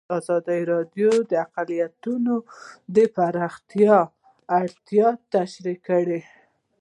ازادي راډیو د اقلیتونه د پراختیا اړتیاوې تشریح کړي.